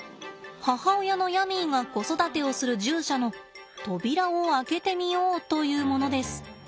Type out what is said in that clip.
母親のヤミーが子育てをする獣舎の扉を開けてみようというものです。